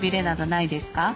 ないです。